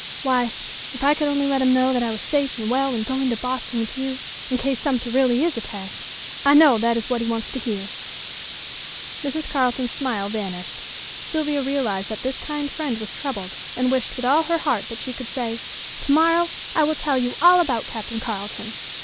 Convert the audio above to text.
"Why, if I could only let him know that I was safe and well and going to Boston with you, in case Sumter really is attacked; I know that is what he wants to hear." Mrs. Carleton's smile vanished. Sylvia realized that this kind friend was troubled, and wished with all her heart that she could say: "To morrow I will tell you all about Captain Carleton."